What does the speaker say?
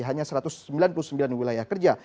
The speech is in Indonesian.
hanya satu ratus sembilan puluh sembilan wilayah kerja